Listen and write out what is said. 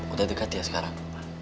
udah dekat ya sekarang